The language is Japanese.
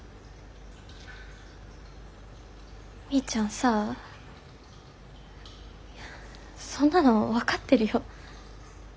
みーちゃんさそんなの分かってるよ。